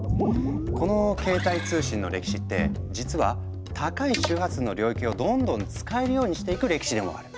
この携帯通信の歴史って実は高い周波数の領域をどんどん使えるようにしていく歴史でもある。